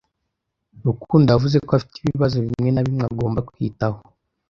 Rukundo yavuze ko afite ibibazo bimwe na bimwe agomba kwitaho.